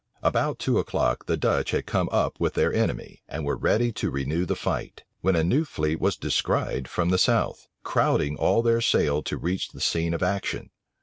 About two o'clock, the Dutch had come up with their enemy, and were ready to renew the fight; when a new fleet was descried from the south, crowding all their sail to reach the scene of action.